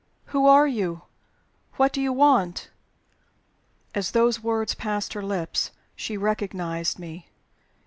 "Who are you? What do you want?" As those words passed her lips, she recognized me.